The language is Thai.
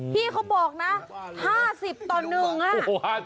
พี่เขาบอกนะ๕๐ต่อ๑อ่ะ